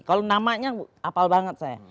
kalau namanya apal banget saya